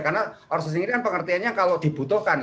karena outsourcing ini kan pengertiannya kalau dibutuhkan